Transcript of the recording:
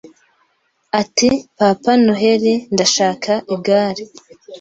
ati Papa Noheli ndashaka igare